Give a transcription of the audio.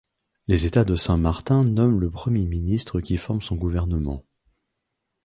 Les États de Saint-Martin nomment le Premier ministre qui forme son gouvernement.